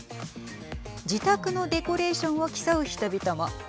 自宅のデコレーションを競う人々も。